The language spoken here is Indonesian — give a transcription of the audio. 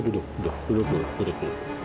duduk duduk duduk duduk